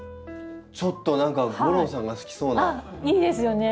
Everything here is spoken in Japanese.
ちょっと何か吾郎さんが好きそうなまた雰囲気に。